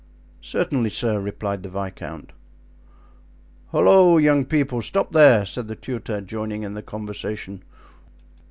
"Certainly, sir," replied the viscount. "Holloa! young people—stop there!" said the tutor, joining in the conversation.